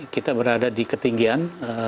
kita berada di ketinggian